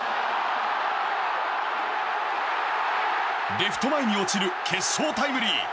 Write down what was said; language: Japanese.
レフト前に落ちる決勝タイムリー。